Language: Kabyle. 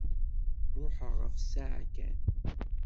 Ruḥeɣ ɣef ssaɛa kan.